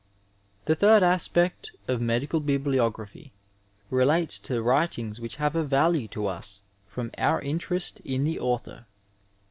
IV The third aspect of medical bibliography relates to writings which have a value to us from our interest in the author.